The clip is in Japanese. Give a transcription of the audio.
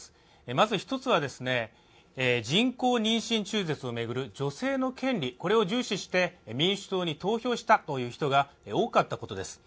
まず１つは、人工妊娠中絶を巡る女性の権利を重視して民主党に投票したという人が多かったことです。